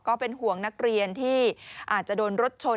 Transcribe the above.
ก็เป็นห่วงนักเรียนที่อาจจะโดนรถชน